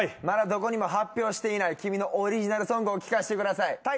まだどこにも発表していない君のオリジナルソングを聞かせてください。